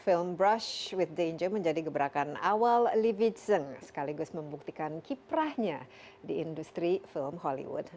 film brush with danger menjadi gebrakan awal livi zon sekaligus membuktikan kiprahnya di industri film hollywood